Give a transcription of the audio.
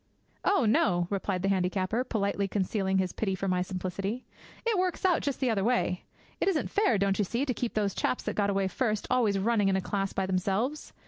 'Oh, no,' replied the handicapper, politely concealing his pity for my simplicity; 'it works out just the other way. It isn't fair, don't you see, to keep those chaps that got away first always running in a class by themselves.